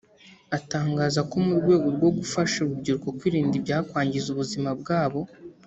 atangaza ko mu rwego rwo gufasha urubyiruko kwirinda ibyakwangiza ubuzima bwabo